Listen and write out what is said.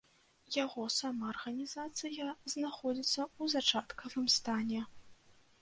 Яго самаарганізацыя знаходзіцца ў зачаткавым стане.